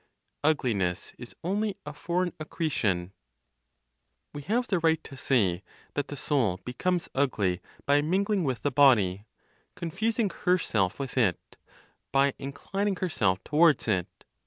UGLINESS IS ONLY A FOREIGN ACCRETION. We have the right to say that the soul becomes ugly by mingling with the body, confusing herself with it, by inclining herself towards it.